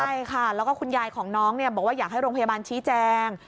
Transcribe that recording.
ใช่ค่ะแล้วก็คุณยายของน้องบอกว่าอยากให้โรงพยาบาลชี้แจง